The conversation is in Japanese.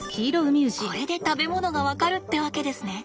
これで食べ物が分かるってわけですね。